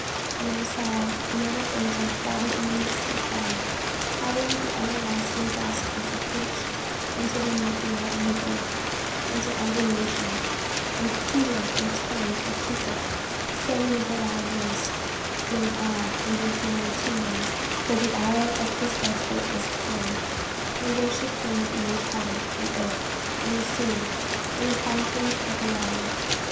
And I saw another angel fly in the midst of heaven, having the everlasting gospel to preach unto them that dwell on the earth, and to every nation, and kindred, and tongue, and people, saying with a loud voice, Fear God, and give glory to him; for the hour of his judgment is come: and worship him that made heaven, and earth, and the sea, and the fountains of waters.